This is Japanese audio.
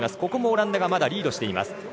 ここもオランダがまだリードしています。